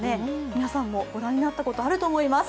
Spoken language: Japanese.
皆さんもご覧になったことあると思います。